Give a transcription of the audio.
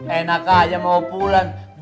enak aja mau pulang